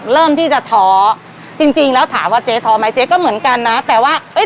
เริ่มที่จะท้อจริงจริงแล้วถามว่าเจ๊ท้อไหมเจ๊ก็เหมือนกันนะแต่ว่าเอ้ย